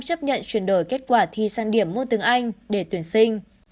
chấp nhận chuyển đổi kết quả thi sang điểm môn tiếng anh để tuyển sinh